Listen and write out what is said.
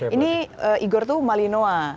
ini igor tuh malinois